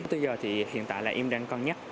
tới giờ hiện tại em đang cân nhắc